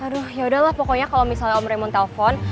aduh yaudahlah pokoknya kalo misalnya om raymond telfon